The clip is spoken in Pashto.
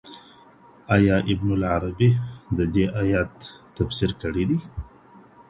آيا ابن العربي د دې آيت تفسير کړی دی؟